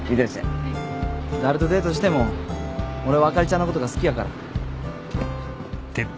誰とデートしても俺はあかりちゃんのことが好きやから。